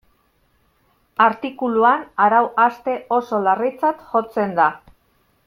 Artikuluan arau hauste oso larritzat jotzen da.